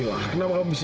ya allah gimana ini